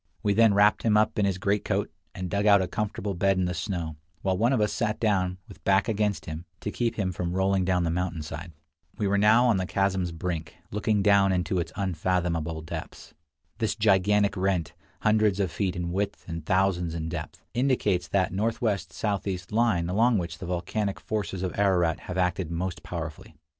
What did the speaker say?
We then wrapped him up in his greatcoat, and dug out a comfortable bed in the snow, while one of us sat down, with back against him, to keep him from rolling down the mountain side. We were now on the chasm's brink, looking down into its unfathomable depths. This gigantic rent, hundreds of feet in width and thousands in depth, indicates that northwest southeast line along which the volcanic forces of Ararat have acted most powerfully.